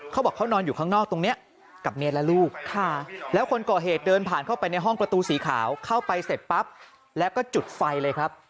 เขาบอกเขานอนอยู่ข้างนอกตรงนี้กับเมียและลูกแล้วคนก่อเหตุเดินผ่านเข้าไปในห้องประตูสีขาวเข้าไปเสร็จปั๊บแล้วก็จุดไฟเลยครับ